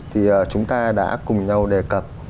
thì chúng ta đã cùng nhau đề cập